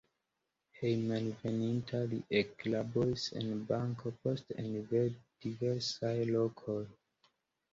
Hejmenveninta li eklaboris en banko, poste en diversaj lokoj.